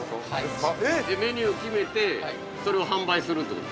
◆メニュー決めてそれを販売するってこと？